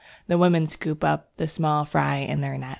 The women scoop up the small fry in their nets.